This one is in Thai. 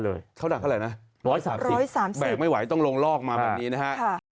เลยเท่าดังเท่าไหร่นะ๑๓๐แบกไม่ไหวต้องลงลอกมาแบบนี้นะฮะ